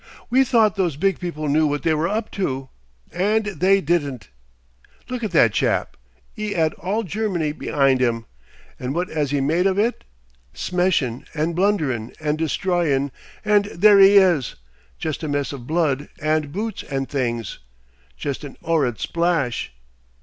We thought those big people knew what they were up to and they didn't. Look at that chap! 'E 'ad all Germany be'ind 'im, and what 'as 'e made of it? Smeshin' and blunderin' and destroyin', and there 'e 'is! Jest a mess of blood and boots and things! Jest an 'orrid splash!